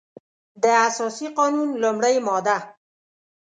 د اساسي قانون لمړۍ ماده